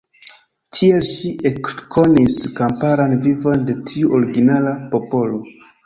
Tie ŝi ekkonis kamparan vivon de tiu originala popolo.